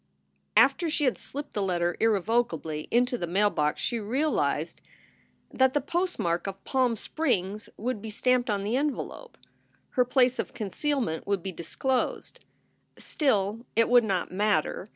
After she had slipped the letter irrevocably into the mail box she realized that the postmark of Palm Springs would 156 SOULS FOR SALE be stamped on the envelope. Her place of concealment would be disclosed. Still, it would not matter.